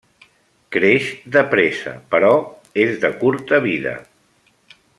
Creix de pressa, però és de curta vida.